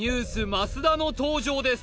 増田の登場です